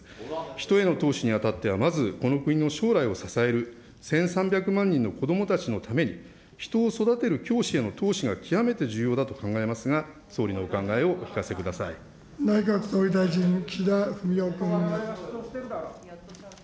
人への投資にあたっては、まずこの国の将来を支える１３００万人の子どもたちのために、人を育てる教師への投資が極めて重要だと考えますが、総理のお考内閣総理大臣、岸田文雄君。